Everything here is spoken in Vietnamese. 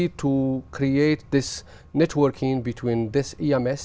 vì vậy tôi đã thành công để tạo ra kết hợp giữa ems